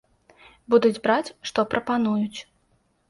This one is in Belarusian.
Будуць браць, што прапануюць.